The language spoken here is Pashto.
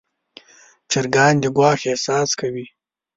چرګان د ګواښ احساس کوي.